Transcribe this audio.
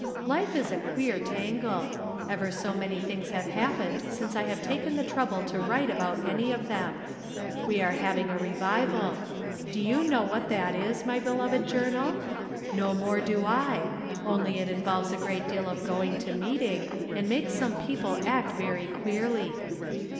Life is a queer' tangle. Ever so many things have happened since I have taken the trouble to write about any of them. We are having a re vival. Do you know what that is, my beloved Journal ? No more do I ; only it involves a great deal of going to meeting and makes some people act very queerly.